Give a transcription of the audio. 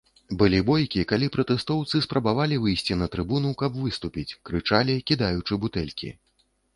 Былі бойкі, калі пратэстоўцы спрабавалі выйсці на трыбуну, каб выступіць, крычалі, кідаючы бутэлькі.